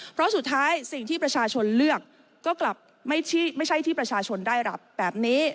เพราะสุดท้ายสิ่งที่ประชาชนเลือกก็กลับไม่ใช่ที่ประชาชนได้รับแบบนี้